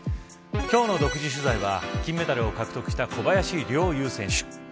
今日の独自取材は金メダルを獲得した小林陵侑選手。